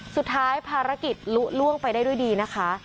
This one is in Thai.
สุดท้ายภารกิจลุล่วงไปได้ด้วยดีนะคะ